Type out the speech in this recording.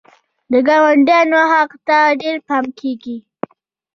د ګاونډیانو حق ته ډېر پام کیږي.